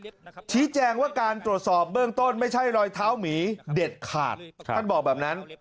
ชี้แจงว่าการตรวจสอบเบื้องต้นไม่ใช่รอยเท้าหมีเด็ดขาดท่านบอกแบบนั้น